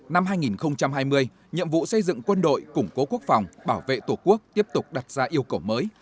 năm hai nghìn hai mươi nhiệm vụ xây dựng quân đội củng cố quốc phòng bảo vệ tổ quốc tiếp tục đặt ra yêu cầu mới